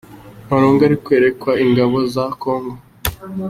Malonga ari kwerekwa ingabo za Congo.